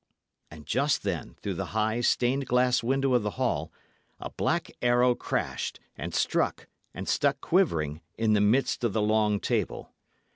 And just then, through the high, stained glass window of the hall, a black arrow crashed, and struck, and stuck quivering, in the midst of the long table.